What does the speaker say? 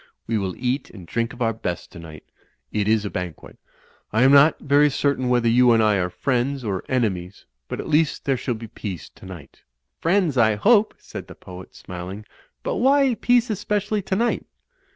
We will eat and drink of our best tonight. It is a banquet. I am not very cer tain whether you and I are friends or enemies, but at least there shall be peace tonight." "Friends, I hope," said the poet, smiling, "but why peace especially tonight?"